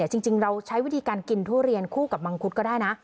จริงเราใช้วิธีการกินทุเรียนคู่กับมังคุดก็ได้นะ